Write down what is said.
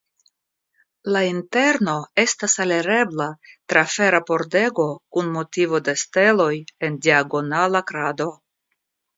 La interno estas alirebla tra fera pordego kun motivo de steloj en diagonala krado.